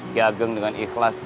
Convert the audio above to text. ki ageng dengan ikhlas